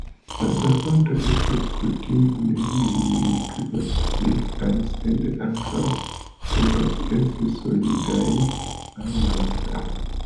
La solvantoj estas kutime likvaj sed ankaŭ povas esti solidaj aŭ gasaj.